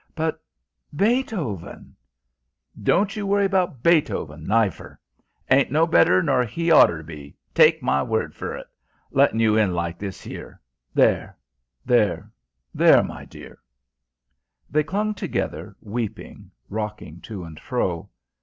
"But Beethoven...." "Don't you worry about Beethoven, neifer ain't no better nor he oughter be, taeke my word fur it. Lettin' you in like this 'ere! There there there, my dear!" They clung together, weeping, rocking to and fro.